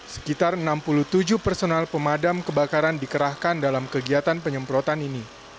sekitar enam puluh tujuh personal pemadam kebakaran dikerahkan dalam kegiatan penyemprotan ini